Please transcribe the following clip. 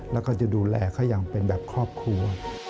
แล้วก็จะดูแลเขาอย่างเป็นแบบครอบครัว